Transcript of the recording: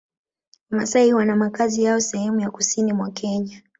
Wamasai wana makazi yao sehemu za Kusini mwa Kenya